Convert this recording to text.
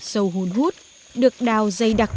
sâu hôn hút được đào dày đặc